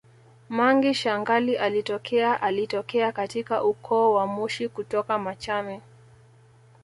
Mangi shangali alitokea alitokea katika ukoo wa Mushi kutoka Machame